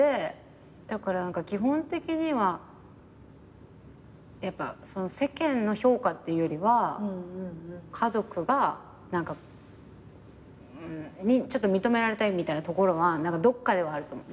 だから基本的には世間の評価っていうよりは家族にちょっと認められたいみたいなところはどっかではあると思う。